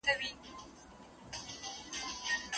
- عبدالرسول جرأت، ليکوال او څيړونکی.